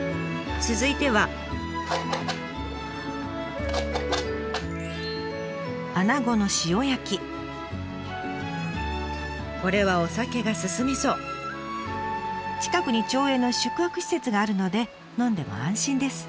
近くに町営の宿泊施設があるので飲んでも安心です。